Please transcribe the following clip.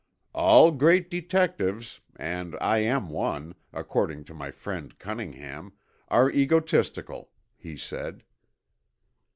"All great detectives and I am one, according to my friend, Cunningham are egotistical," he said.